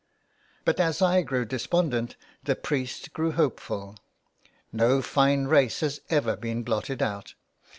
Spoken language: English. But as I grew despondent the priest grew hopeful, ''no fine race has ever been blotted out."